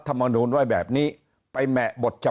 เพราะสุดท้ายก็นำไปสู่การยุบสภา